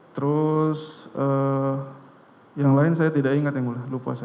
terus yang lain saya tidak ingat yang mulia lupa saya